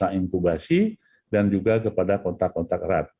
kepada intubasi dan juga kepada kontak kontak erat